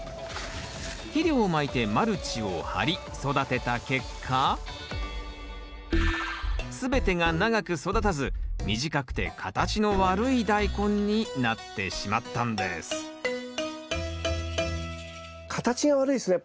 肥料をまいてマルチを張り育てた結果すべてが長く育たず短くて形の悪いダイコンになってしまったんです形が悪いですね。